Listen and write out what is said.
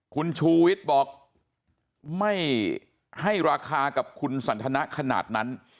คุณชูวิทย์บอกไม่ให้ราคากับคุณสันทนะขนาดนั้น